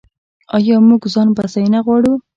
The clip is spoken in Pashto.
آیا موږ ځان بسیاینه غواړو؟